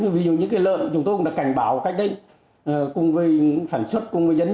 ví dụ như cái lợn chúng tôi cũng đã cảnh báo cách đây cùng với phản xuất cùng với dân